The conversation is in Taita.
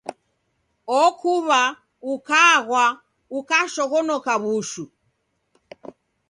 Okuw'a ukagwa ukashoghonoka w'ushu.